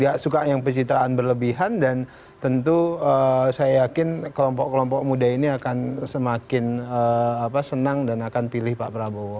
ya suka yang pencitraan berlebihan dan tentu saya yakin kelompok kelompok muda ini akan semakin senang dan akan pilih pak prabowo